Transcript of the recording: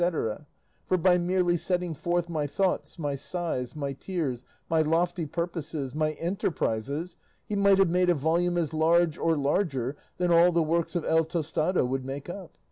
for by merely setting forth my thoughts, my sighs, my tears, my lofty purposes, my enterprises, he might have made a volume as large, or larger than all the works of El Tostado would make up.